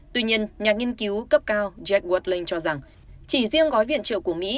tuy nhiên nhà nghiên cứu cấp cao jack wardlink cho rằng chỉ riêng gói viện trợ của mỹ